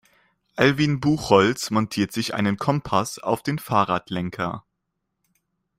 Alwin Buchholz montiert sich einen Kompass auf den Fahrradlenker.